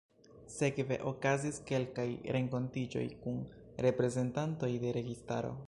Sekve okazis kelkaj renkontiĝoj kun reprezentantoj de registaro.